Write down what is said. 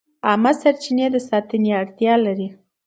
عامه سرچینې د ساتنې اړتیا لري.